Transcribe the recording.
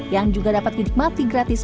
yang juga dapat dinikmati gratis